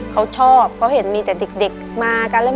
เขาชอบเขาเห็นมีแต่เด็กมากันแล้ว